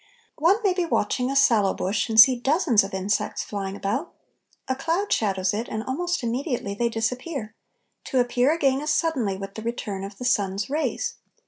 One may be watching a sallow bush and see dozens of insects flying about. A cloud shadows it, and almost immediately they disappear, to appear again as suddenly with the return of the sun's rays.